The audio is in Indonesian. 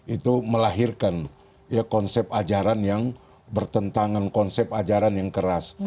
itu melahirkan konsep ajaran yang bertentangan konsep ajaran yang keras